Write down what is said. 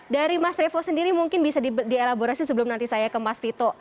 dari mas revo sendiri mungkin bisa dielaborasi sebelum nanti saya ke mas vito